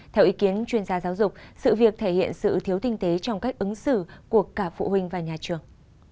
theo ý kiến chuyên gia giáo dục sự việc thể hiện sự thiếu tinh tế trong cách ứng xử của cả phụ huynh và nhà trường